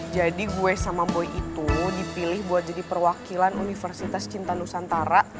jadi gue sama boy itu dipilih buat jadi perwakilan universitas cinta nusantara